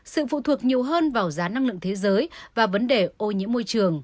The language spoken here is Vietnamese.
sự phụ thuộc nhiều hơn vào giá năng lượng thế giới và vấn đề ô nhiễm